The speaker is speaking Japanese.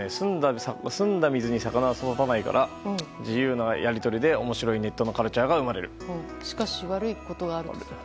澄んだ水に魚は育たないから自由なやり取りで面白いネットカルチャーがしかし悪いことはというと。